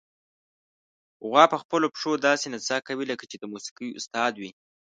غوا په خپلو پښو داسې نڅا کوي، لکه چې د موسیقۍ استاد وي.